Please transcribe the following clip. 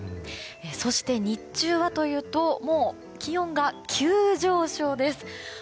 そして、日中はというともう、気温が急上昇です。